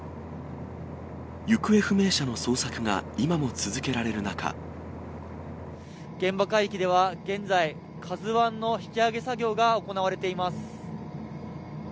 行方不明者の捜索が今も続け現場海域では現在、ＫＡＺＵＩの引き揚げ作業が行われています。